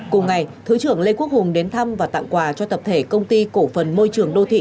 cùng ngày thứ trưởng lê quốc hùng đến thăm và tặng quà cho tập thể công ty cổ phần môi trường đô thị